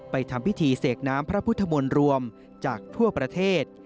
ทำพิธีเสกน้ำพระพุทธมนต์รวมจากทั่วประเทศ